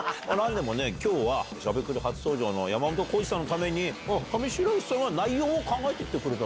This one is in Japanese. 今日は『しゃべくり』初登場の山本耕史さんのために上白石さんが内容を考えてくれた。